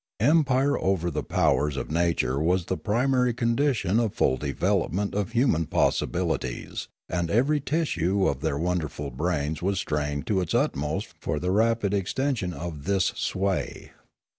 Empire over the powers of nature was the primary condition of full development of human possibilities, and every tissue of their won derful brains was strained to its utmost for the rapid extension of this sway.